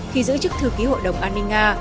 khi giữ chức thư ký hội đồng an ninh nga